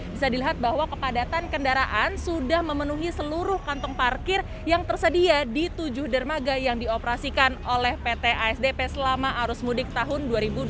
bisa dilihat bahwa kepadatan kendaraan sudah memenuhi seluruh kantong parkir yang tersedia di tujuh dermaga yang dioperasikan oleh pt asdp selama arus mudik tahun dua ribu dua puluh